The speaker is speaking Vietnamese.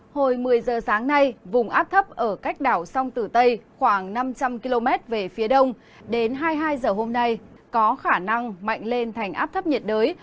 hồi một mươi giờ sáng nay vùng áp thấp ở cách đảo sông tử tây khoảng năm trăm linh km về phía đông đến hai mươi hai h hôm nay có khả năng mạnh lên thành áp thấp nhiệt đới